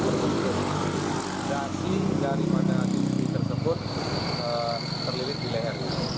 reaksi daripada fisik tersebut terlirik di lehernya